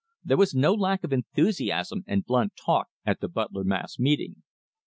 There was no lack of enthusiasm and blunt talk at the Butler mass meeting.